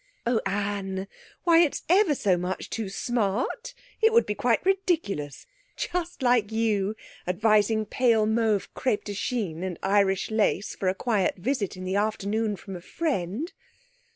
'Oh, Anne! Why, it's ever so much too smart! It would be quite ridiculous. Just like you, advising pale mauve crêpe de Chine and Irish lace for a quiet visit in the afternoon from a friend!'